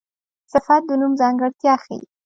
صفت د نوم ځانګړتیا ښيي.